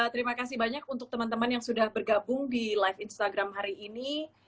terima kasih banyak untuk teman teman yang sudah bergabung di live instagram hari ini